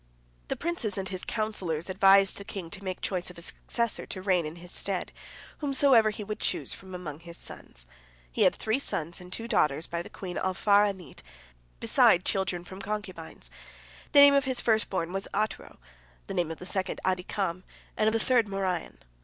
The princes and his counsellors advised the king to make choice of a successor, to reign in his stead, whomsoever he would choose from among his sons. He had three sons and two daughters by the queen Alfar'anit, beside children from concubines. The name of his first born was Atro, the name of the second Adikam, and of the third Moryon.